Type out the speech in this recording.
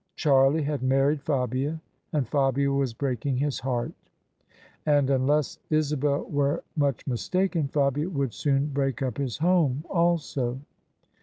Charlie had married Fabia, and Fabia was breaking his heart; and — unless Isabel were much mistaken — Fabia would soon break up his home also.